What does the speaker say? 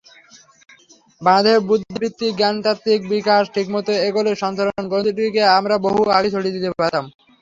বাংলাদেশের বুদ্ধিবৃত্তিক-জ্ঞানতাত্ত্বিক বিকাশ ঠিকমতো এগোলে সঞ্চরণ গ্রন্থটিকে আমরা বহু আগেই ছাড়িয়ে যেতে পারতাম।